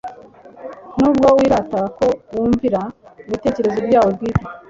Nubwo wirata ko wumvira ibitekerezo byawo bwite